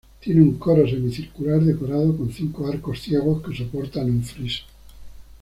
Tiene un coro semicircular decorado con cinco arcos ciegos que soportan un friso.